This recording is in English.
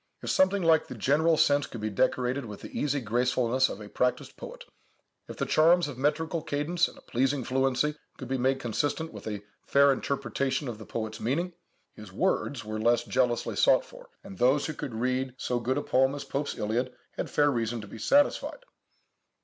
If something like the general sense could be decorated with the easy gracefulness of a practised poet; if the charms of metrical cadence and a pleasing fluency could be made consistent with a fair interpretation of the poet's meaning, his words were less jealously sought for, and those who could read so good a poem as Pope's Iliad had fair reason to be satisfied.